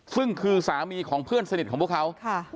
ซึ่งคือสามีของเพื่อนสนิทของพวกเขา